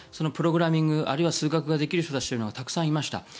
プログラミングあるいは数学ができる人たちがたくさんいました。